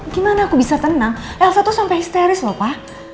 gimana aku bisa tenang elsa tuh sampe histeris loh pa